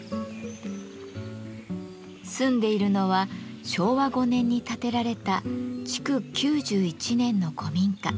住んでいるのは昭和５年に建てられた築９１年の古民家。